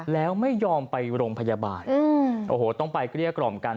แล้วไม่ยอมไปโรงพยาบาลโอ้โหต้องไปเกลี้ยกล่อมกัน